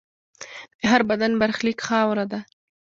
د هر بدن برخلیک خاوره ده.